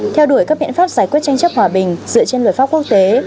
theo đuổi các biện pháp giải quyết tranh chấp hòa bình dựa trên luật pháp quốc tế